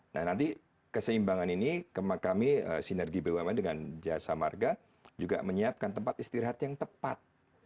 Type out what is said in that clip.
nah nanti keseimbangan ini kami sinergi bumn dengan jasa marga juga menyiapkan tempat istirahat yang tepat